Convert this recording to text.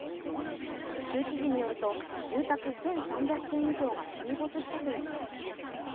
州知事によると、住宅１３００軒以上が水没したといいます。